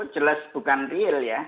jelas bukan real ya